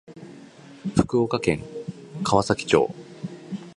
福岡県川崎町